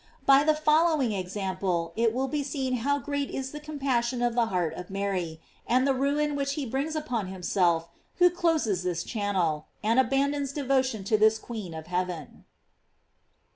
By the following example it will be seen how great is the com passion of the heart of Mary, and the ruin which he brings upon himself who closes this channel, and abandons devotion to this queen of heaven.